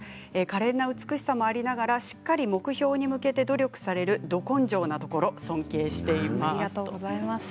かれんな美しさもありながらしっかり目標に向けて努力されるど根性なところ、尊敬しています。